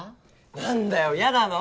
何だよ嫌なの？